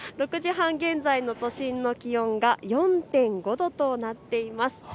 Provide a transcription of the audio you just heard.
６時半現在の都心の気温が４．５度となっています。